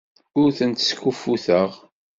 Ur tent-skuffuteɣ.